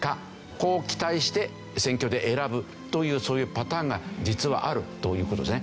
こう期待して選挙で選ぶというそういうパターンが実はあるという事ですね。